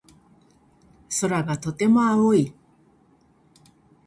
空がとても青い。